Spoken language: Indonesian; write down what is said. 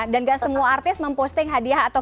dan gak semua artis memposting hadiah atau